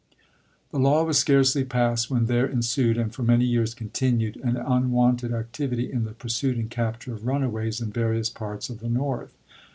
The law was scarcely passed when there ensued, and for many years continued, an unwonted activity in the pursuit and capture of runaways in various parts of the North.